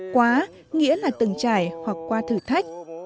quá nghĩa là từng trải hoặc qua thử thách